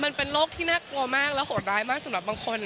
มันเป็นโรคที่น่ากลัวมากและโหดร้ายมากสำหรับบางคน